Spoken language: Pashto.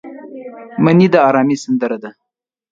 منی د ارامۍ سندره ده